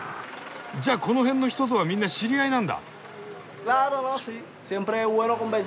じゃあこの辺の人とはみんな知り合いなんだ。